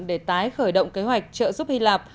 để tái khởi động kế hoạch trợ giúp hy lạp